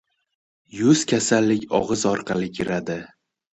• Yuz kasallik og‘iz orqali kiradi.